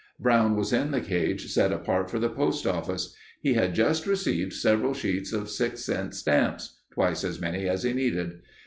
Brown was in the cage set apart for the post office. He had just received several sheets of six cent stamps—twice as many as he needed.